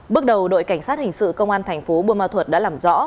bước đầu đội cảnh sát hình sự công an thành phố buôn ma thuật đã làm rõ